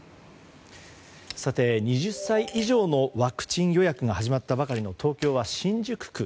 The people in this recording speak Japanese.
２０歳以上のワクチン予約が始まったばかりの東京・新宿区。